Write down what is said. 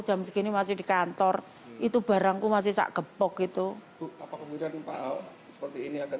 jam segini masih di kantor itu barangku masih tak gepok itu apa kemudian pak ahok seperti ini akan